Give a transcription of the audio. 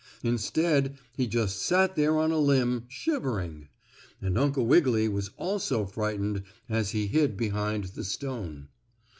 Instead he just sat there on a limb, shivering. And Uncle Wiggily was also frightened as he hid behind the stone.